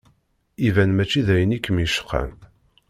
Iban mačči d ayen i kem-yecqan.